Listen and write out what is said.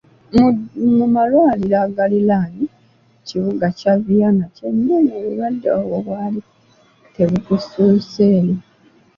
Mu malwaliro agaliraanye ekibuga kya Vienna kyennyini obulwadde obwo bwali tebutuuseeyo.